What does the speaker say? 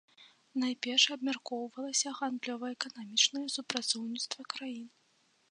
Найперш абмяркоўвалася гандлёва-эканамічнае супрацоўніцтва краін.